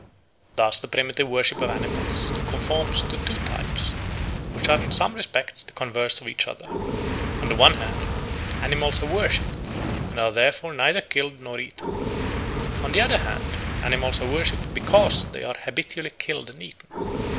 Thus the primitive worship of animals conforms to two types, which are in some respects the converse of each other. On the one hand, animals are worshipped, and are therefore neither killed nor eaten. On the other hand, animals are worshipped because they are habitually killed and eaten.